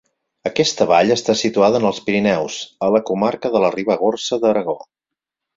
Aquesta vall està situada en els Pirineus, a la comarca de la Ribagorça d'Aragó.